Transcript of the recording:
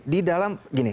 di dalam gini